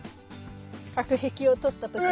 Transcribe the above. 隔壁を撮ったところ。